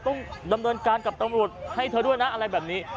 ต้องดำเนินการกับตำรวจให้เธอด้วยนะอะไรแบบนี้